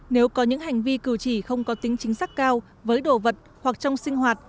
nếu có những hành vi cử chỉ không có tính chính xác cao với đồ vật hoặc trong sinh hoạt